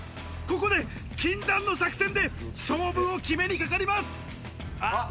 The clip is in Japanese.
ここで禁断の作戦で勝負を決めにかかります。